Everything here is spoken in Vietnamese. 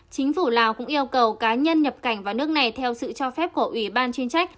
chính phủ lào cũng yêu cầu cá nhân nhập cảnh vào nước này theo sự cho phép của ủy ban chuyên trách